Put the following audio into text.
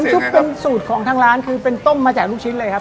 ซุปเป็นสูตรของทางร้านคือเป็นต้มมาจากลูกชิ้นเลยครับ